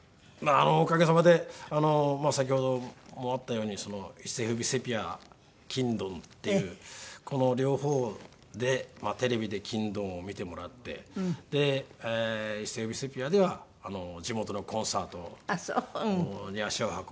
おかげさまで先ほどもあったように一世風靡セピア『欽ドン！』っていうこの両方でまあテレビで『欽ドン！』を見てもらって一世風靡セピアでは地元のコンサートに足を運んで見に来てもらって。